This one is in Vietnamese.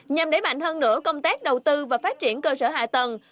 nhằm đẩy mạnh hơn nữa công tác đầu tư và phát triển cơ sở hạ tầng